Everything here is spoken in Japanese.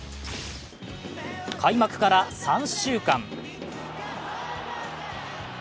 開幕から３週間。